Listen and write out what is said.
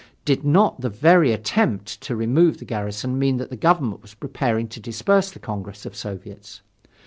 Did not the very attempt to remove the garrison mean that the Government was preparing to disperse the Congress of Soviets?